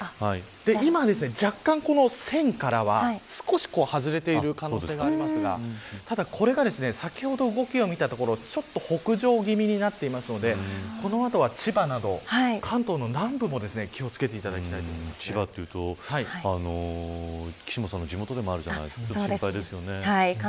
今、若干、線からは少し外れている可能性がありますがただ、これが先ほど動きを見たところちょっと北上気味になっているのでこの後は千葉など、関東の南部も千葉というと岸本さんの地元でもあるんですよね。